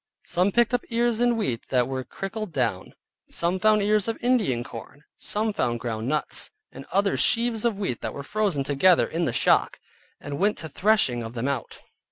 Some picked up ears of wheat that were crickled down; some found ears of Indian corn; some found ground nuts, and others sheaves of wheat that were frozen together in the shock, and went to threshing of them out.